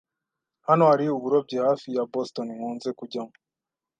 Hano hari uburobyi hafi ya Boston nkunze kujyamo.